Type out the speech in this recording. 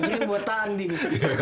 mikirin buat tanding